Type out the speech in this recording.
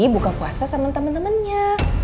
buka puasa sama temen temennya